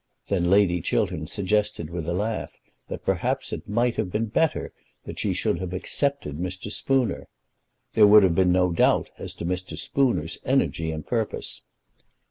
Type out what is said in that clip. Then Lady Chiltern suggested, with a laugh, that perhaps it might have been better that she should have accepted Mr. Spooner. There would have been no doubt as to Mr. Spooner's energy and purpose.